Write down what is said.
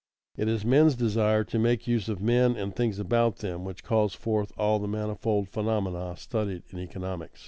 It is men's desire to make use of men and things about them which calls forth all the manifold phenomena studied in economics.